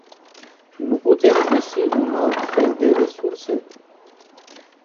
Nu putem găsi un alt fel de resurse.